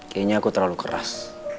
kayaknya aku terlalu keras